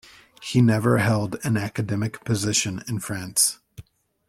He never held an academic position in France.